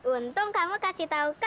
untung kamu kasih tau kakak